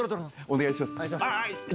お願いします。